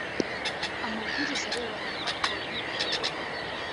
amabwiriza arebana na raporo n’ibikorwa